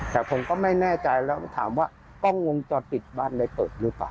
แต่ผมก็ไม่แน่ใจแล้วถามว่ากล้องวงจรปิดบ้านได้เปิดหรือเปล่า